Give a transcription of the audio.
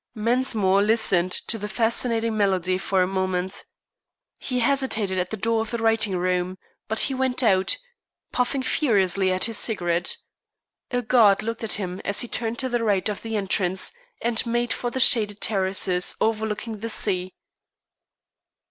Mensmore listened to the fascinating melody for a moment. He hesitated at the door of the writing room; but he went out, puffing furiously at his cigarette. A guard looked at him as he turned to the right of the entrance, and made for the shaded terraces overlooking the sea.